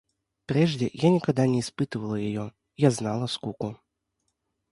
Прежде я никогда не испытывала ее – я знала скуку